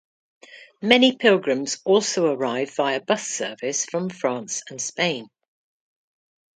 Many pilgrims also arrive via bus service from France and Spain.